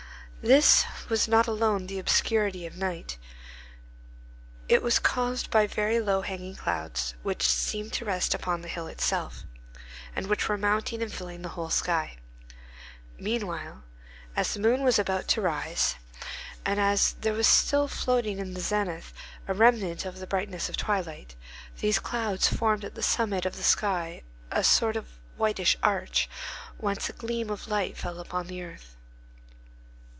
This was not alone the obscurity of night; it was caused by very low hanging clouds which seemed to rest upon the hill itself, and which were mounting and filling the whole sky. Meanwhile, as the moon was about to rise, and as there was still floating in the zenith a remnant of the brightness of twilight, these clouds formed at the summit of the sky a sort of whitish arch, whence a gleam of light fell upon the earth.